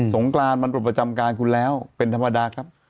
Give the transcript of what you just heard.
งกรานมันเป็นประจำการคุณแล้วเป็นธรรมดาครับ